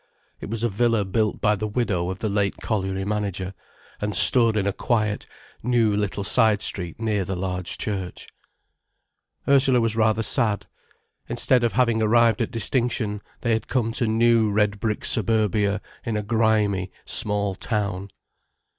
It was a villa built by the widow of the late colliery manager, and stood in a quiet, new little side street near the large church. Ursula was rather sad. Instead of having arrived at distinction they had come to new red brick suburbia in a grimy, small town. Mrs.